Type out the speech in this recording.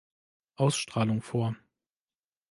Ausstrahlung vor.